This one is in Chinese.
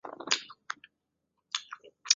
总督宫是意大利热那亚一座重要的历史建筑。